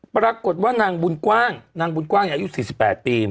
ปรากฏว่านางบุญกว้างนางบุญกว้างอายุ๔๘ปี